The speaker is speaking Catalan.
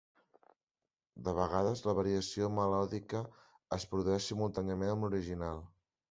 De vegades, la variació melòdica es produeix simultàniament amb l'original.